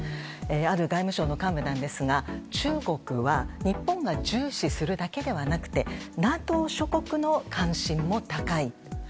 ある外務省の幹部なんですが中国は日本が重視するだけではなくてＮＡＴＯ諸国の関心も高い。